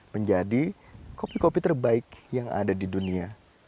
menjadi kopi kopi terbaik yang ada di dunia